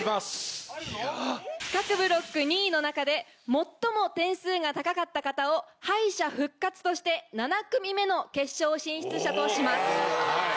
各ブロック２位の中で最も点数が高かった方を敗者復活として７組目の決勝進出者とします。